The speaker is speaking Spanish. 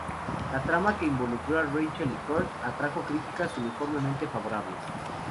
La trama que involucró a Rachel y Kurt atrajo críticas uniformemente favorables.